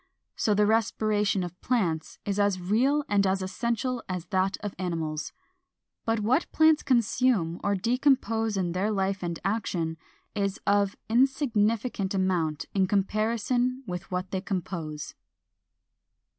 So the respiration of plants is as real and as essential as that of animals. But what plants consume or decompose in their life and action is of insignificant amount in comparison with what they compose.